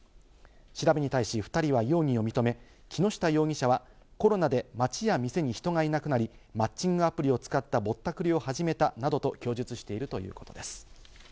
調べに対し、２人は容疑を認め、木下容疑者はコロナで街や店に人がいなくなり、マッチングアプリを使ったぼったくりを始めたなどと供述しているということです。